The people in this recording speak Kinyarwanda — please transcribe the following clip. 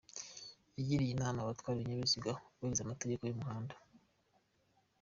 Yagiriye inama abatwara ibinyabiziga kubahiriza amategeko yo kubitwara.